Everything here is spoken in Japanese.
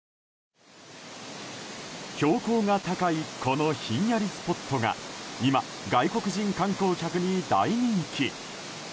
標高が高いこのひんやりスポットが今、外国人観光客に大人気。